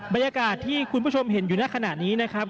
บรรยากาศที่คุณผู้ชมเห็นอยู่ในขณะนี้นะครับ